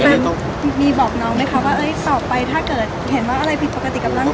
เห็นว่าอะไรผิดปกติกับร่างกาย